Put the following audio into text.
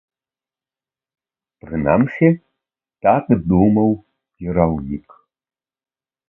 Прынамсі, так думаў кіраўнік.